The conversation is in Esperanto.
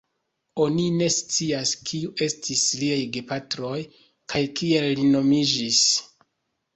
Oni ne scias kiu estis liaj gepatroj kaj kiel li nomiĝis.